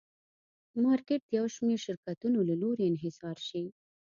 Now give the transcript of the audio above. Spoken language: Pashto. مارکېټ د یو شمېر شرکتونو له لوري انحصار شي.